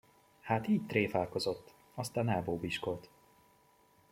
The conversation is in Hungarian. Hát így tréfálkozott, aztán elbóbiskolt.